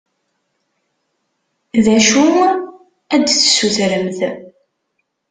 D acu ad d-tessutremt?